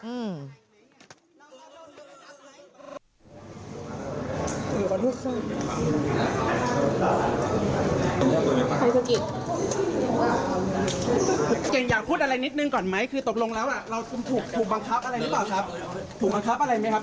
เก่งอยากพูดอะไรนิดหนึ่งก่อนไหมคือตกลงแล้วเราถูกบังคับอะไรหรือเปล่าครับ